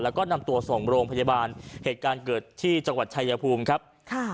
แล้วก็นำตัวส่งโรงพยาบาลเหตุการณ์เกิดที่จังหวัดชายภูมิครับค่ะ